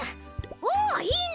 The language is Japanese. おっいいね！